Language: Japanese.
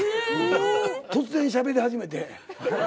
突然しゃべり始めて。